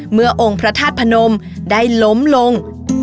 องค์พระธาตุพนมได้ล้มลง